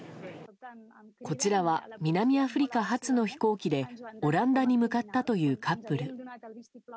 こちらは南アフリカ発の飛行機でオランダに向かったというカップル。